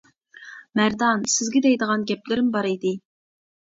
-مەردان سىزگە دەيدىغان گەپلىرىم بار ئىدى.